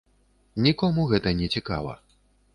Нікому гэта не цікава.